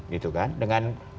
dengan ahi yang datang